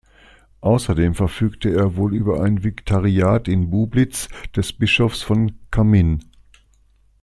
Außerdem verfügte er wohl über ein Vikariat in Bublitz des Bischofs von Cammin.